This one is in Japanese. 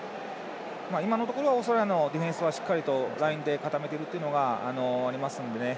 今のところはオーストラリアのディフェンスは、しっかりとラインで固めてるというのがありますのでね。